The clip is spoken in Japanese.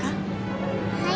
はい。